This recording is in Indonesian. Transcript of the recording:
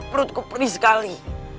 perutku pedih sekali